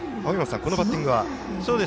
このバッティングは？